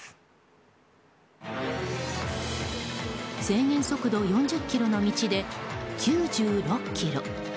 制限速度４０キロの道で９６キロ！